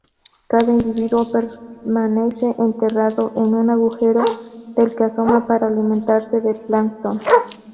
Cada individuo permanece enterrado en un agujero del que asoma para alimentarse de plancton.